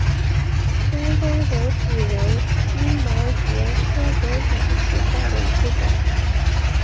东方狗脊为乌毛蕨科狗脊属下的一个种。